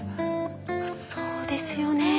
そうですよね。